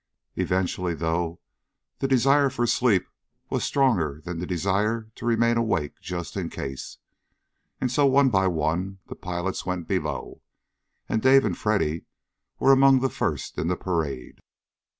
Eventually, though, the desire for sleep was stronger than the desire to remain awake just in case. And so one by one the pilots went below. And Dave and Freddy were among the first in the parade.